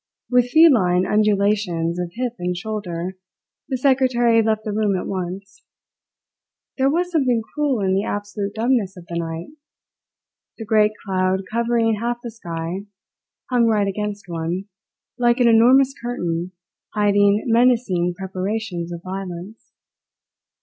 With feline undulations of hip and shoulder, the secretary left the room at once. There was something cruel in the absolute dumbness of the night. The great cloud covering half the sky hung right against one, like an enormous curtain hiding menacing preparations of violence.